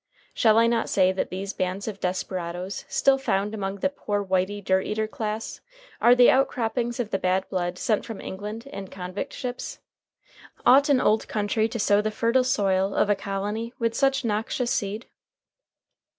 Shall I not say that these bands of desperadoes still found among the "poor whitey, dirt eater" class are the outcroppings of the bad blood sent from England in convict ships? Ought an old country to sow the fertile soil of a colony with such noxious seed?